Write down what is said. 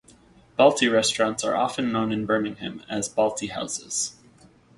Balti restaurants are often known in Birmingham as 'balti houses'.